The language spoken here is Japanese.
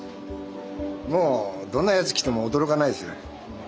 もうどんなやつ来ても驚かないですよ。